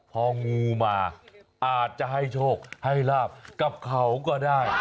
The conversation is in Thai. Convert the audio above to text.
พองูมาอาจจะให้โชคให้ลาบกับเขาก็ได้